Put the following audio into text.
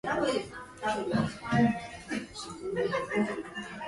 The music for the anthem was written by Alexander Beloborodov.